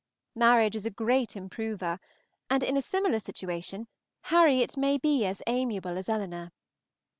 Marriage is a great improver, and in a similar situation Harriet may be as amiable as Eleanor.